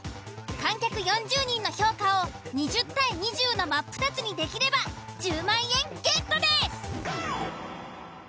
観客４０人の評価を２０：２０のマップタツにできれば１０万円ゲットです！